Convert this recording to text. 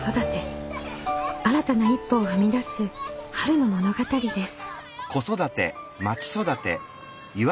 新たな一歩を踏み出す春の物語です。